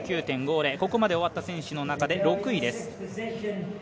ここまで終わった選手の中で６位です。